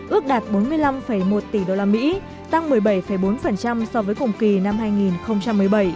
ước đạt bốn mươi năm một tỷ usd tăng một mươi bảy bốn so với cùng kỳ năm hai nghìn một mươi bảy